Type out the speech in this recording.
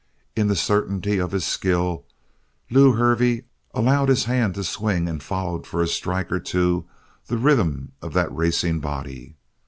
In the certainty of his skill Lew Hervey allowed his hand to swing and followed for a strike or two the rhythm of that racing body.